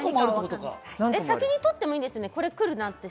先に取ってもいいんですよね？